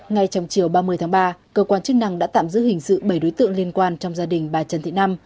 ngay trong chiều ba mươi tháng ba cơ quan chức năng đã tạm giữ hình sự bảy đối tượng liên quan trong gia đình bà trần thị năm